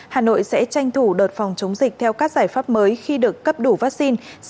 hà nội sẽ tranh thủ đợt phòng chống dịch theo các giải pháp mới khi được cấp đủ vaccine